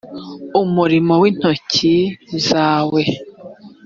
umurimo w intoki zawe